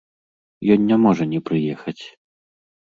Ён не можа не прыехаць.